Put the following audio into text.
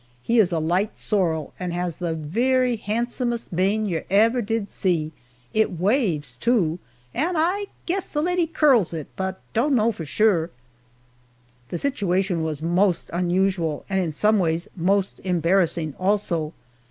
He is a light sorrel and has the very handsomest mane yer ever did see it waves, too, and I guess the lady curls it but don't know for sure." The situation was most unusual and in some ways most embarrassing, also.